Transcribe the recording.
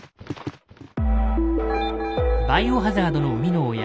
「バイオハザード」の生みの親